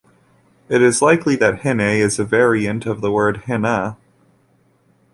It is likely that Hine is a variant of the word Hina.